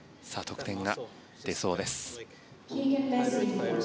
得点が出そうです。